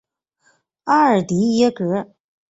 阿尔迪耶格。